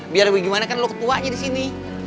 biar bagaimana kan lo ketuanya di sini